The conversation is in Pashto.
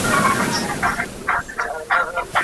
د کندهار والي ګرګین ډېر ظالم انسان و.